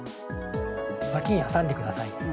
脇に挟んでください。